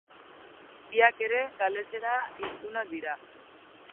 Biak ere galesera hiztunak dira.